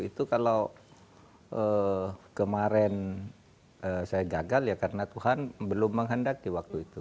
itu kalau kemarin saya gagal ya karena tuhan belum menghendaki waktu itu